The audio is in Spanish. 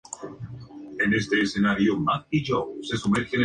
Desde muy joven, pasó mucho tiempo inmerso en la oración.